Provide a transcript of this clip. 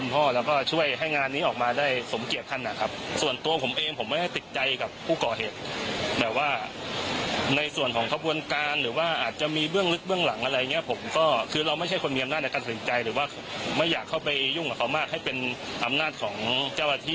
หรือว่าไม่อยากเข้าไปยุ่งกับเขามากให้เป็นอำนาจของเจ้าอาทิ